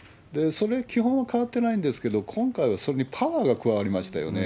それの基本は変わってないんですけれども、今回はそれにパワーが加わりましたよね。